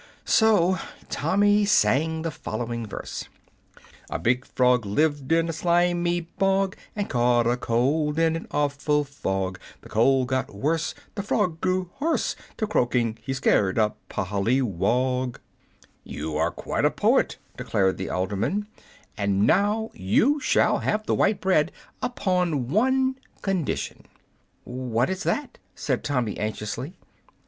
So Tommy sang the following verse: "A big frog lived in a slimy bog, And caught a cold in an awful fog. The cold got worse, The frog got hoarse, Till croaking he scared a polliwog!" "You are quite a poet," declared the alderman; "and now you shall have the white bread upon one condition." "What is it?" said Tommy, anxiously.